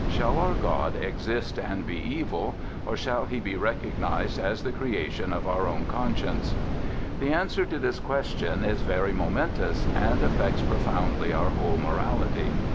Shall our God exist and be evil, or shall he be recognized as the creation of our own conscience? The answer to this question is very momentous, and affects profoundly our whole morality.